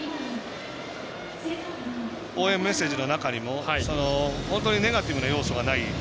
応援メッセージの中にも本当にネガティブな要素がない。